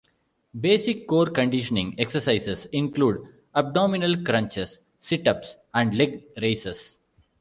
Basic core conditioning exercises include abdominal crunches, situps and leg raises.